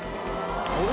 あれ？